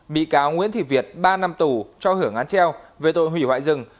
bị cáo nguyễn thị việt ba năm tù cho hưởng án treo về tội hủy hoại rừng